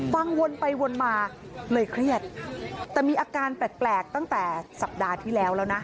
วนไปวนมาเลยเครียดแต่มีอาการแปลกตั้งแต่สัปดาห์ที่แล้วแล้วนะ